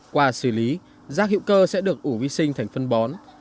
qua xử lý rác hữu cơ sẽ được ủ vi sinh thành phân bón